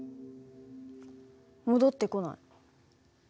戻ってこない。